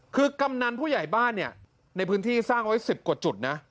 คือกำนันผู้ใหญ่บ้านเนี่ยในพื้นที่สร้างไว้๑๐กว่าจุดนะ